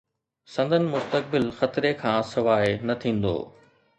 سندن مستقبل خطري کان سواء نه ٿيندو.